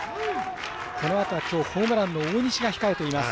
このあとは、きょうホームランの大西が控えています。